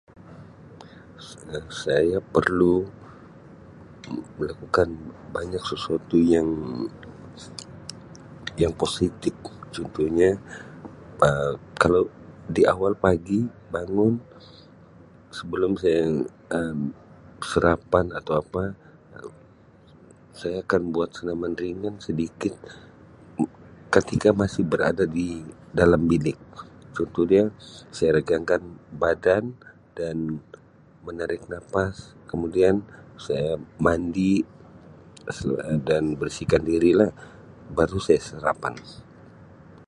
Um Saya perlu melakukan banyak sesuatu yang yang positif contohnya [unintelligible] kalau di awal pagi bangun sebelum saya Um sarapan atau ape saya akan buat senaman ringan sedikit ketika masih berada di dalam bilik contohnya saya regangkan badan dan menarik napas kemudian saya mandi dan bersihkan diri lah baru saya sarapan.